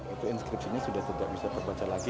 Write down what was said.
itu inskripsinya sudah tidak bisa terbaca lagi